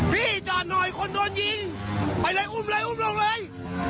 พี่จอดหน่อยคนโดนยิงไปเลยอุ้มเลยอุ้มลงเลย